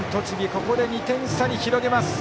ここで２点差に広げます。